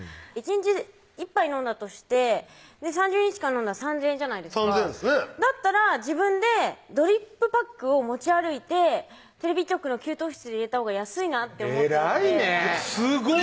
１日１杯飲んだとして３０日間飲んだら３０００円じゃないですかだったら自分でドリップパックを持ち歩いてテレビ局の給湯室で入れたほうが安いなって偉いねすご！